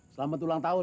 selamat ulang tahun